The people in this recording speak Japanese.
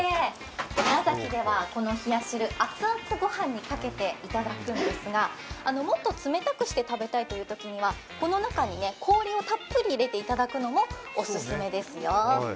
宮崎ではこの冷や汁、熱々ご飯にかけていただくんですが、もっと冷たくして食べたいというときにはこの中に氷をたっぷり入れていただくのもオススメですよ。